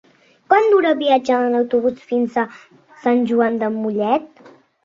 Quant dura el viatge en autobús fins a Sant Joan de Mollet?